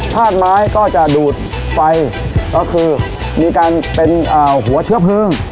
ธาตุไม้ก็จะดูดไฟก็คือมีการเป็นหัวเชื้อเพลิง